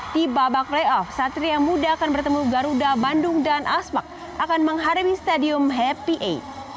di babak playoff satria muda akan bertemu garuda bandung dan asmak akan mengharumi stadium happy